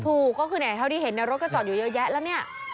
ถูกก็คือเนี่ยเท่าที่เห็นในรถก็จอดอยู่เยอะแยะแล้วเนี่ย